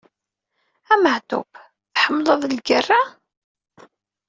A Maɛṭub tḥemmleḍ lgerra?